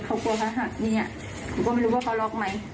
เขากลัวเขาหักเนี่ยหนูก็ไม่รู้ว่าเขาล็อกไหม